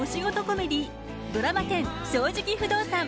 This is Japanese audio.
コメディードラマ１０「正直不動産」。